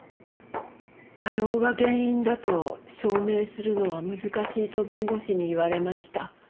過労が原因だと証明するのは難しいと弁護士に言われました。